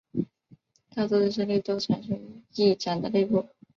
大多的升力都产生于翼展的内部。